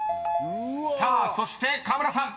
［さあそして河村さん］